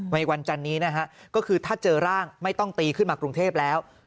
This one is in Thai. วันจันนี้นะฮะก็คือถ้าเจอร่างไม่ต้องตีขึ้นมากรุงเทพแล้ว